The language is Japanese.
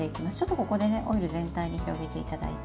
ここでオイルを全体に広げていただいて。